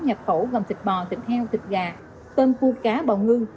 nhập khẩu gồm thịt bò thịt heo thịt gà tôm cua cá bào ngư